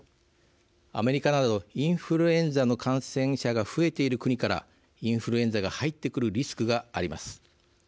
アメリカなどインフルエンザの感染者が増えている国からインフルエンザが入ってくるリスクがあります。